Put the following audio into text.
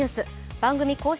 番組公式